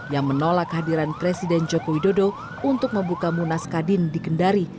yang menolak hadiran presiden joko widodo untuk membuka munas kadin di kendari